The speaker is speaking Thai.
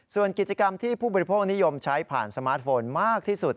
ส่วนกิจกรรมที่ผู้บริโภคนิยมใช้ผ่านสมาร์ทโฟนมากที่สุด